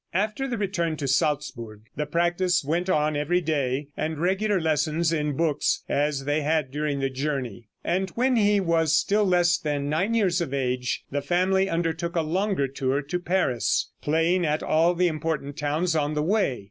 After the return to Salzburg, the practice went on every day, and regular lessons in books, as they had during the journey; and, when he was still less than nine years of age, the family undertook a longer tour to Paris, playing at all the important towns on the way.